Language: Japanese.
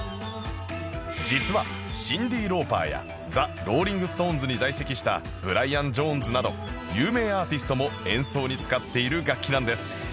実はシンディ・ローパーやザ・ローリング・ストーンズに在籍したブライアン・ジョーンズなど有名アーティストも演奏に使っている楽器なんです